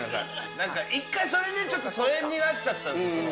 なんか一回それでちょっと疎遠になっちゃったんです。